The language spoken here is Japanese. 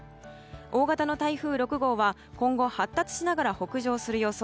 大型の台風６号は今後発達しながら北上する予想。